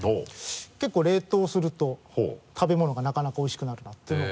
結構冷凍すると食べ物がなかなかおいしくなるなっていうのを。